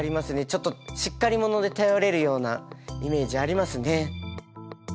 ちょっとしっかり者で頼れるようなイメージありますね。